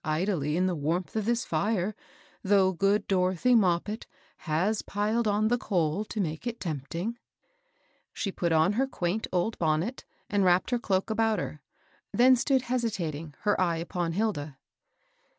idly in the warmth of this fire, though good Doro« thy Moppit has piled on the coal to make it tempt ing" She put on her quaint old bonnet, and wrapped her cloak about her; then stood hesitating, her eye upon Hilda.